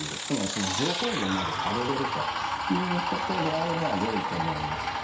つまりその情報源までたどれるということであれば良いと思います。